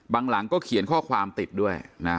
หลังก็เขียนข้อความติดด้วยนะ